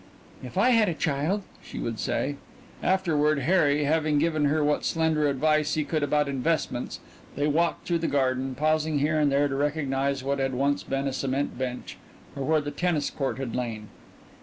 "If I had a child " she would say. Afterward, Harry having given her what slender advice he could about investments, they walked through the garden, pausing here and there to recognize what had once been a cement bench or where the tennis court had lain....